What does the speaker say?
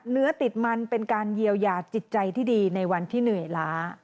เนื้อติดมันเป็นการเยียวยาจิตใจที่ดีในวันที่เหนื่อยล้า